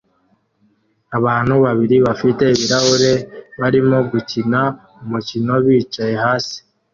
Abantu babiri bafite ibirahure barimo gukina umukino bicaye hasi